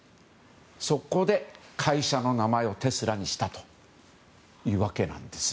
そこで会社の名前をテスラにしたというわけなんです。